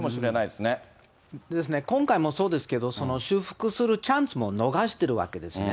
ですね、今回もそうですけど、修復するチャンスも逃してるわけですね。